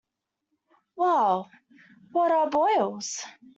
Well, what are boils?